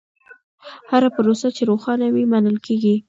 هره پروسه چې روښانه وي، منل کېږي.